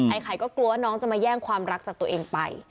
ไข่ก็กลัวว่าน้องจะมาแย่งความรักจากตัวเองไป